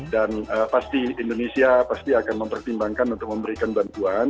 dan pasti indonesia akan mempertimbangkan untuk memberikan bantuan